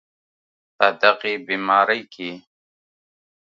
په دغې بیمارۍ کې